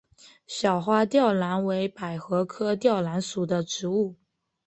小花吊兰为百合科吊兰属的植物。